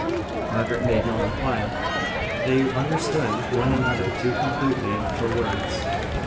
Margaret made no reply. They understood one another too completely for words.